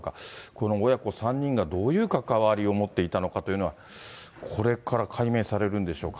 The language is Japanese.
この親子３人がどういう関わりを持っていたのかというのは、これから解明されるんでしょうか。